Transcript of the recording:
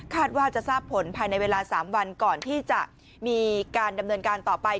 ว่าจะทราบผลภายในเวลา๓วันก่อนที่จะมีการดำเนินการต่อไป